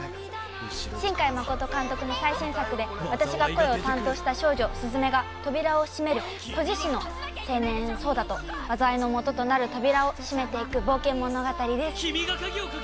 新海誠監督の最新作で、私が声を担当した少女・すずめが扉を閉める「閉じ師」の青年・草太と災いの元となる「扉」を閉めていく冒険物語です。